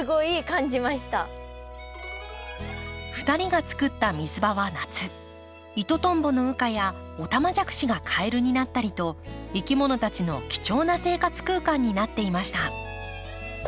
２人が作った水場は夏イトトンボの羽化やオタマジャクシがカエルになったりといきものたちの貴重な生活空間になっていました。